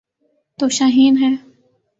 'تو شاہین ہے۔